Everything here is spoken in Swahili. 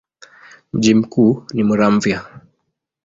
Mji mkuu ni Muramvya.